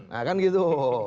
nah kan gitu